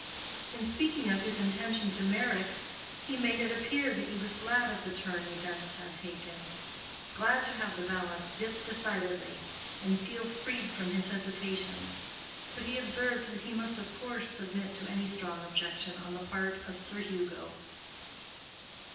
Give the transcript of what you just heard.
In speaking of his intention to Meyrick he made it appear that he was glad of the turn events had taken—glad to have the balance dip decidedly, and feel freed from his hesitations; but he observed that he must of course submit to any strong objection on the part of Sir Hugo.